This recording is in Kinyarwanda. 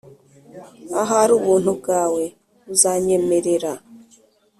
ahari ubuntu bwawe buzanyemerera